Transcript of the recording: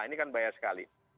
ini kan bayar sekali